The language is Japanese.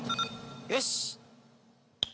よし。